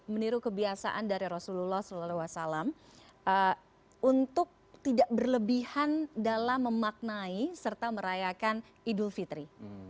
meniru kebiasaan dari rasulullah saw untuk tidak berlebihan dalam memaknai serta merayakan idul fitri